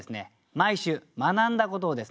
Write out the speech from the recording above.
毎週学んだことをですね